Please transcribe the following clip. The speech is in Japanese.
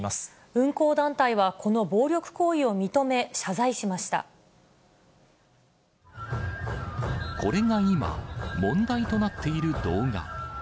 運行団体は、この暴力行為をこれが今、問題となっている動画。